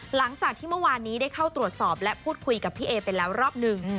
หลังจากที่เมื่อวานนี้ได้เข้าตรวจสอบและพูดคุยกับพี่เอไปแล้วรอบหนึ่ง